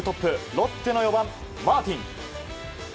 ロッテの４番、マーティン。